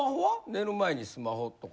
寝る前にスマホとか。